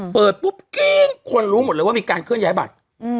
เปิดปุ๊บเก้งคนรู้หมดเลยว่ามีการเคลื่อนย้ายบัตร